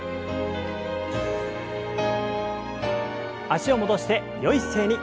脚を戻してよい姿勢に。